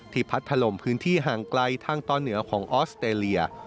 พัดถล่มพื้นที่ห่างไกลทางตอนเหนือของออสเตรเลีย